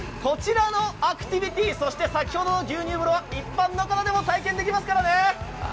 こちらのアクティビティー、そして先ほどの牛乳風呂は一般の方でも体験できますからね。